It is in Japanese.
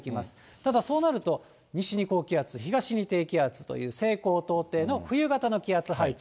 ただそうなると、西に高気圧、東に低気圧という西高東低の冬型の気圧配置。